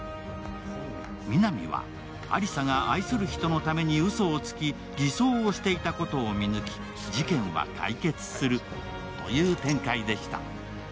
皆実は亜理紗が愛する人のためにうそをつき、偽装をしていたことを見抜き、事件は解決するという展開でした。